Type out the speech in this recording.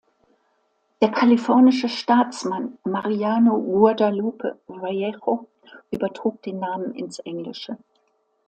Der kalifornische Staatsmann Mariano Guadalupe Vallejo übertrug den Namen ins Englische.